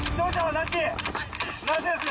なしですね。